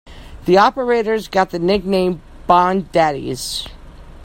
The operators got the nickname Bond Daddies.